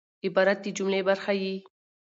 عبارت د جملې برخه يي.